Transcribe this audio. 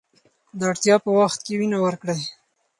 د اړتیا په وخت کې وینه ورکړئ.